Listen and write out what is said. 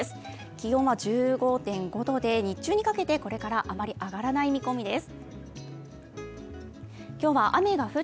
気温は１５．５度で日中にかけてこれからあまり上がらない見込みです。